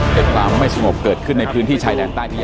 แต่ความไม่สงบเกิดขึ้นในพื้นที่ชายแดนใต้นี้